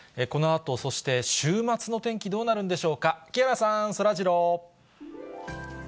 このあと、そして週末の天気どうなるんでしょうか、木原さん、そらジロー。